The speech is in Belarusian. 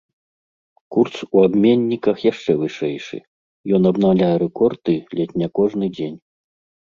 Курс у абменніках яшчэ вышэйшы, ён абнаўляе рэкорды ледзь не кожны дзень.